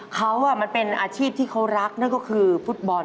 เขามันเป็นอาชีพที่เขารักนั่นก็คือฟุตบอล